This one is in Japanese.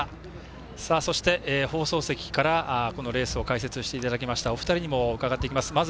そして、放送席からこのレースを解説していただきましたお二人にも伺っていきます。